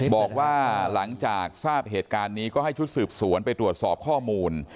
บอกว่าหลังจากทราบเหตุการณ์นี้ก็ให้ชุดสืบสวนไปตรวจสอบข้อมูล